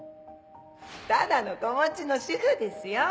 ただの子持ちの主婦ですよぉ！